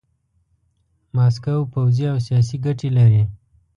ماسکو پوځي او سیاسي ګټې لري.